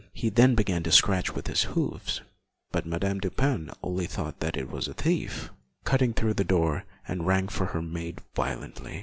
He then began to scratch with his hoofs, but Madame Dupin only thought that it was a thief, cutting through the door, and rang for her maid violently.